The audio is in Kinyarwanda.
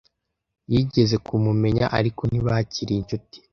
Yigeze kumumenya, ariko ntibakiri inshuti.